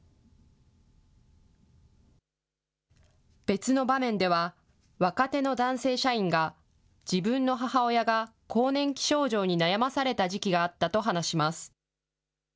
別の場面では、若手の男性社員が自分の母親が更年期症状に悩まされた時期があったと話します。